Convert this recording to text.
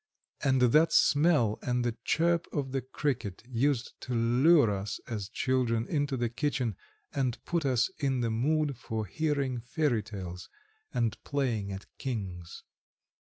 And that smell and the chirp of the cricket used to lure us as children into the kitchen, and put us in the mood for hearing fairy tales and playing at "Kings"